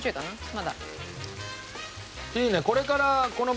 まだ。